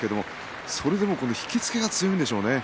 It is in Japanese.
それでも引き付けが強いんでしょうね。